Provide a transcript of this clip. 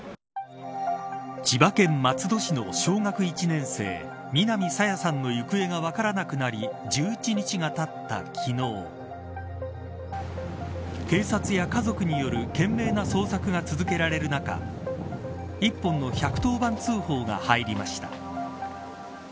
千葉県松戸市の小学１年生南朝芽さんの行方が分からなくなり１１日がたった昨日警察や家族による懸命な捜索が続けられる中一本の１１０番通報が入りました。